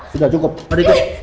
sudah cukup mari ikut